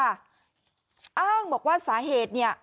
อ้างบอกว่าสาเหตุเนี่ย